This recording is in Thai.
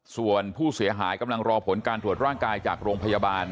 ส่วนผู้เสียหายกำลังรอผลการตรวจร่างกายจากโรงพยาบาล